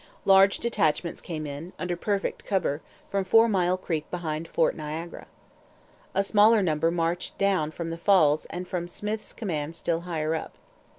Large detachments came in, under perfect cover, from Four Mile Creek behind Fort Niagara. A smaller number marched down from the Falls and from Smyth's command still higher up.